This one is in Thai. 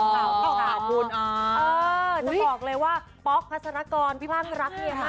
จะบอกเลยว่าป๊อกพัฒนากรฮิปพอป